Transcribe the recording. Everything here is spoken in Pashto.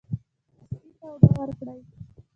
سپي ته اوبه ورکړئ.